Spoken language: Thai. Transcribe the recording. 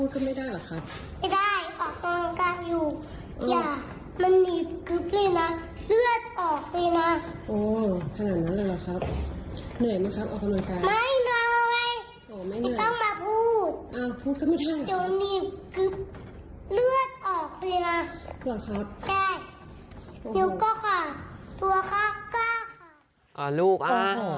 ทำอะไรอยู่ครับ